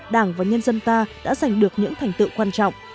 đảng và nhân dân ta đã giành được những thành tựu quan trọng